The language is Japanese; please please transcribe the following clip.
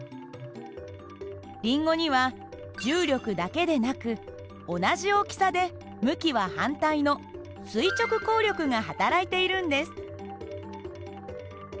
りんごには重力だけなく同じ大きさで向きは反対の垂直抗力がはたらいているんです。